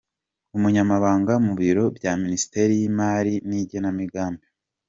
: Umunyamabanga mu Biro bya Minisiteri y’Imari n’Igenamigambi.